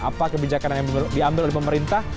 apa kebijakan yang diambil oleh pemerintah